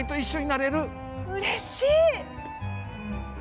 うれしい！